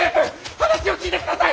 話を聞いて下さい！